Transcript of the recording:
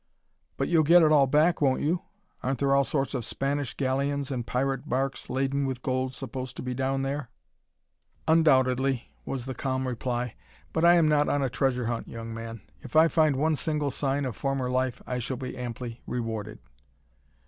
"But you'll get it all back, won't you? Aren't there all sorts of Spanish galleons and pirate barques laden with gold supposed to be down there?" "Undoubtedly," was the calm reply. "But I am not on a treasure hunt, young man. If I find one single sign of former life, I shall be amply rewarded."